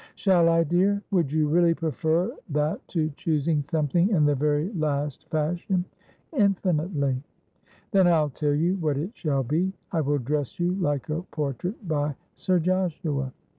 ' Shall I, dear ? Would you really prefer that to choosing something in the very last fashion ?'' Infinitely.' ' Then I'll tell you what it shall be. I will dress you like a portrait by Sir Joshua.